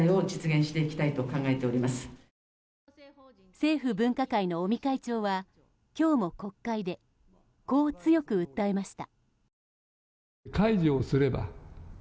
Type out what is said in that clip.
政府分科会の尾身会長は今日も国会でこう強く訴えました。